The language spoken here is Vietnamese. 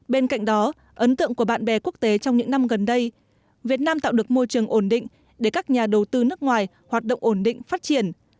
bên cạnh đó ấn tượng của bạn bè quốc tế trong những năm gần đây việt nam tạo được môi trường ổn định để các nhà đầu tư nước ngoài hoạt động ổn định phát triển